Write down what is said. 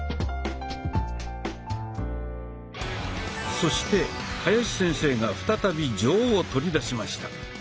そして林先生が再び杖を取り出しました。